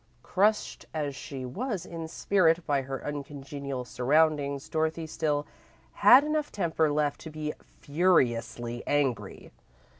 Crushed as she was in spirit by her uncongenial surroundings, Dorothy still had enough temper left to be furiously angry.